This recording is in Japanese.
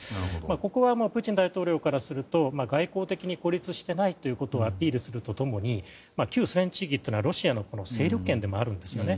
ここはプーチン大統領からすると外交的に孤立していないことをアピールすると共に旧ソ連諸国はロシアの勢力圏でもあるんですね。